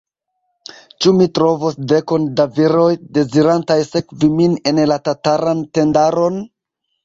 Ĉu mi trovos dekon da viroj, dezirantaj sekvi min en la tataran tendaron?